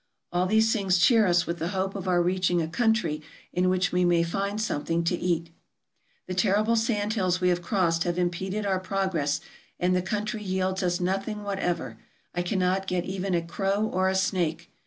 All these things cheer us with the hope of our reaching a country in which we may find something to eat. The terrible sand hills we have crossed have impeded our progress, and the country yields us nothing whatever ; I cannot get even a crow or a snake.